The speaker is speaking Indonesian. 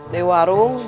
di warung belanja